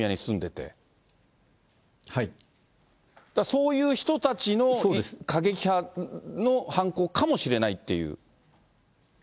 そういう人たちの過激派の犯行かもしれないっていう。